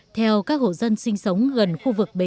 theo các hộ dân sinh sống gần khu vực bến